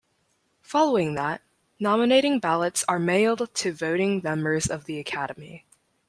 Following that, nominating ballots are mailed to voting members of the academy.